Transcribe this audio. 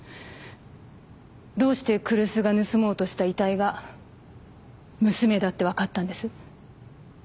どうして来栖が盗もうとした遺体が娘だって分かったんです？